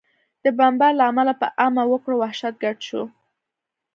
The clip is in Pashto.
د بمبار له امله په عامه وګړو وحشت ګډ شو